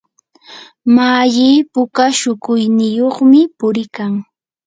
malli puka shukuyniyuqmi puriykan.